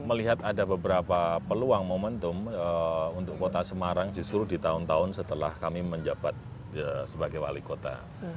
saya melihat ada beberapa peluang momentum untuk kota semarang justru di tahun tahun setelah kami menjabat sebagai wali kota